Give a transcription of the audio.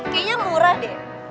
kayaknya murah deh